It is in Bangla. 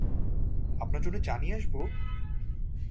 আপনার জন্যে চা নিয়ে আসব?